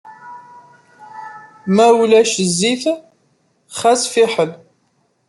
Ma ulac zzit xas fiḥel.